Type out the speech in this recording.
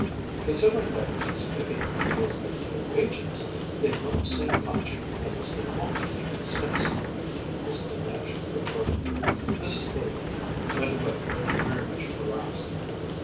"Considering that it's Miss Vivian who pays them their wages, they won't say much, unless they want to be dismissed," Miss Delmege retorted. Mrs. Bullivant went away looking very much harassed.